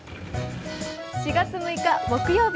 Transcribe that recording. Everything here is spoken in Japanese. ４月６日木曜日。